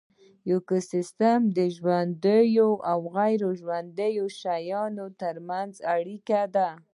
ایکوسیستم د ژوندیو او غیر ژوندیو شیانو ترمنځ اړیکه ده